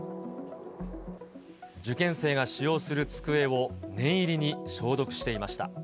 受験生が使用する机を念入りに消毒していました。